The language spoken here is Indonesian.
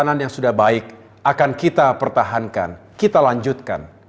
dan tatanan yang sudah baik akan kita pertahankan kita lanjutkan